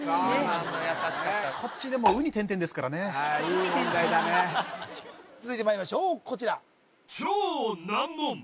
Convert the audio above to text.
やさしかったこっちでも「ウ」に「゛」ですからねいい問題だね続いてまいりましょうこちら